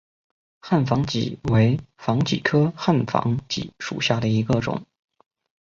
汉防己为防己科汉防己属下的一个种。